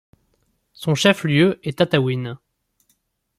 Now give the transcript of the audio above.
Son chef-lieu est Tataouine.